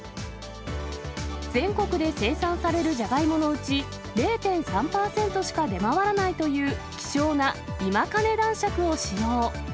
全国で生産されるじゃがいものうち、０．３％しか出回らないという希少な今金男しゃくを使用。